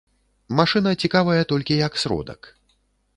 Машына цікавая толькі як сродак.